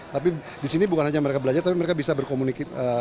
tapi di sini bukan hanya mereka belajar tapi mereka bisa berkomunikasi